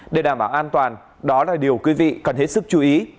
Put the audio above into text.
để đảm bảo an toàn đó là điều quý vị cần hết sức chú ý